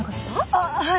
ああはい。